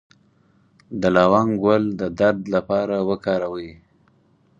د لونګ ګل د درد لپاره وکاروئ